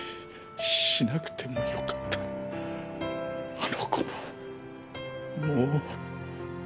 あの子ももう。